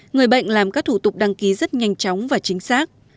người bệnh làm các thủ tục đăng ký rất nhanh chóng và chính xác